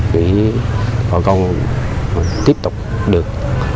để bò công tiếp tục được